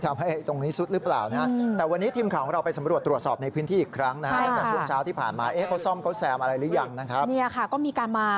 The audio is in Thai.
เรื่องไหนวิ่งเกินเวลาหรือเปล่า